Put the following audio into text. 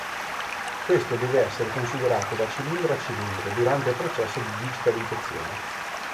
Questo deve essere considerato da cilindro a cilindro durante il processo di digitalizzazione.